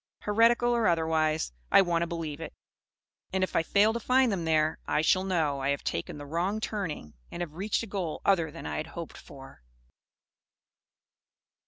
Heretical or otherwise, I want to believe it. And if I fail to find them there, I shall know I have taken the Wrong Turning and have reached a goal other than I hoped for.